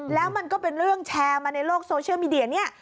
แล้วมันก็เป็นเรื่องแชร์มาในโลกโซเชียลมีเดียเนี่ย